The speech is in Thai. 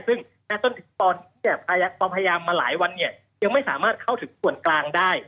ซึ่งตอนที่จะพยายามมาหลายวันยังไม่สามารถเข้าถึงส่วนกลางได้